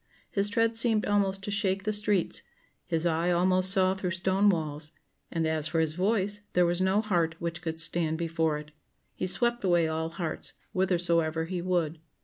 His tread seemed almost to shake the streets, his eye almost saw through stone walls, and as for his voice, there was no heart which could stand before it. He swept away all hearts, whithersoever he would.